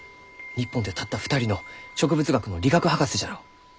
日本でたった２人の植物学の理学博士じゃろう！